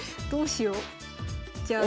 どうしよう。